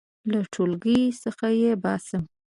• له ټولګي څخه یې باسم.